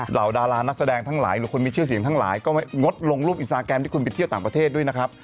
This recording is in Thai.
เหล่าดารานักแสดงทั้งหลายหรือคนมีชื่อเสียงทั้งหลายก็งดลงรูปอินสตาแกรมที่คุณไปเที่ยวต่างประเทศด้วยนะครับ